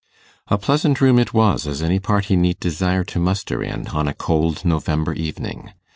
A pleasant room it was as any party need desire to muster in on a cold November evening.